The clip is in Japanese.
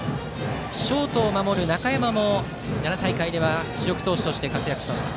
ショートを守る中山も奈良大会では主力投手として活躍しました。